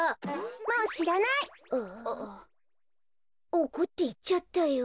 おこっていっちゃったよ。